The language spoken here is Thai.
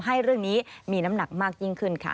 ให้เรื่องนี้มีน้ำหนักมากยิ่งขึ้นค่ะ